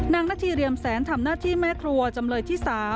นาธีเรียมแสนทำหน้าที่แม่ครัวจำเลยที่๓